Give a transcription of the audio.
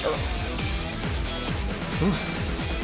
うん。